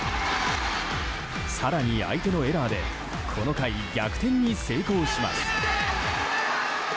更に相手のエラーでこの回、逆転に成功します。